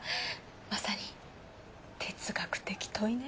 まさに哲学的問いね。